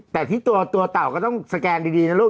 แต่ที่ตัวเต่าก็ต้องสแกนดีนะลูก